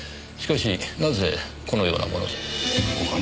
しかしなぜこのようなものを？